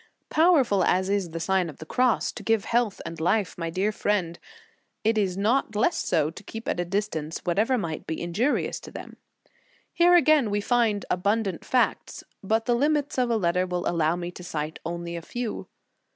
POWERFUL as is the Sign of the Cross to give health and life, my dear friend, it is not less so to keep at a distance whatever might be injurious to them. Here again we find abundant facts, but the limits of a letter will allow me to cite only a few.